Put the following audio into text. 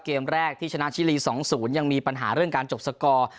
เกมแรกที่ชนะชิลี๒๐ยังมีปัญหาเรื่องการจบสกอร์